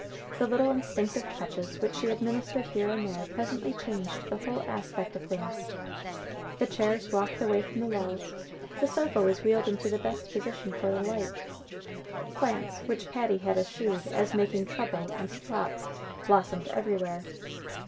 The little instinctive touches which she administered here and there presently changed the whole aspect of things. The chairs walked away from the walls; the sofa was wheeled into the best position for the light; plants, which Patty had eschewed as making trouble and "slop," blossomed everywhere.